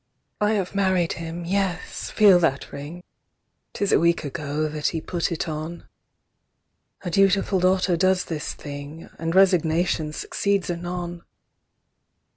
"I have married him—yes; feel that ring; 'Tis a week ago that he put it on ... A dutiful daughter does this thing, And resignation succeeds anon!